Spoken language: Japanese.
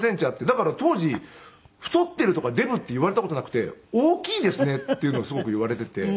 だから当時太ってるとかデブって言われた事なくて「大きいですね」っていうのをすごく言われてて。